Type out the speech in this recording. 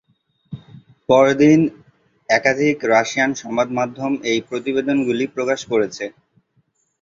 পর দিন একাধিক রাশিয়ান সংবাদমাধ্যম এই প্রতিবেদনগুলি প্রকাশ করেছে।